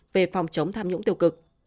về phòng chống tham nhũng tiêu cực